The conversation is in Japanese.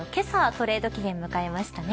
トレード期限を迎えましたね。